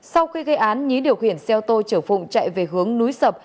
sau khi gây án nhí điều khiển xe ô tô chở phụng chạy về hướng núi sập